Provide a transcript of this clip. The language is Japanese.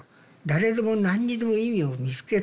誰でも何にでも意味を見つけたがるわけね。